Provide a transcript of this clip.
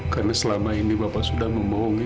karena selama ini bapak sudah memohong